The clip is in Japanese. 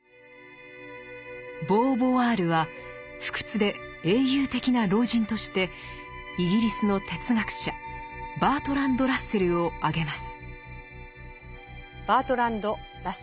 ボーヴォワールは不屈で英雄的な老人としてイギリスの哲学者バートランド・ラッセルを挙げます。